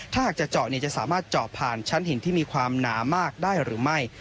ถ้าหากจะเจาะจะสามารถเจาะผ่านชั้นหินที่มีความหนามากได้หรือไม่